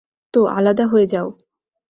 তো, আলাদা হয়ে যাও।